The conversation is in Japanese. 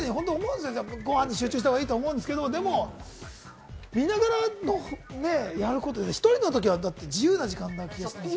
ごはんに集中したほうがいいと思うんですけど、でも見ながらやることでひとりの時は自由な時間ですからね。